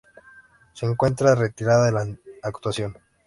Se encuentra retirada de la actuación.